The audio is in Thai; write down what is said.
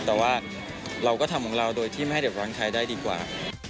แต่ว่าเราก็ทำของเราโดยที่ไม่ให้เดือดร้อนใครได้ดีกว่า